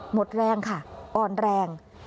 หมดแรงค่ะอ่อนแรง